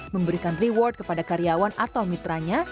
memberikan reward kepada karyawan atau mitranya